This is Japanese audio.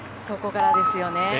そこからですよね。